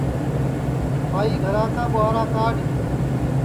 ٻائی گھرا کا ٻُوہارا کاڈؔ